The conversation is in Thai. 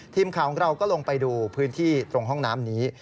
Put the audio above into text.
ทีมข่าวของเราก็ลงไปดูพื้นที่ตรงห้องน้ำนี้